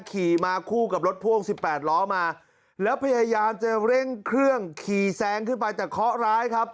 ขี่มาคู่กับรถพ่วงสิบแปดล้อมาแล้วพยายามจะเร่งเครื่องขี่แซงขึ้นไปแต่เคาะร้ายครับ